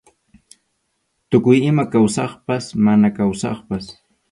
Tukuy ima kawsaqpas mana kawsaqpas.